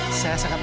mbak fikar buat apa